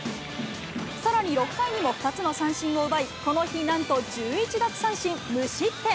さらに６回にも２つの三振を奪い、この日、なんと１１奪三振、無失点。